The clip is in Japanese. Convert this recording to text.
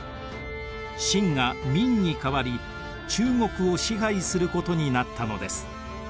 清が明に代わり中国を支配することになったのです。